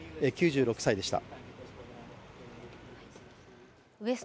９６歳でした。